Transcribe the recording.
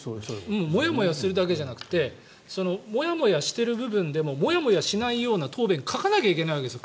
モヤモヤするだけじゃなくてモヤモヤしてる部分でもモヤモヤしないような答弁を書かないといけないわけですよ